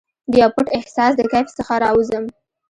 دیو پټ احساس د کیف څخه راوزم